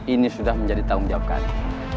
ini sudah menjadi tanggung jawab kami